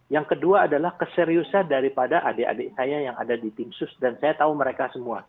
yang kedua adalah keseriusan daripada adik adik saya yang ada di tim sus dan saya tahu mereka semua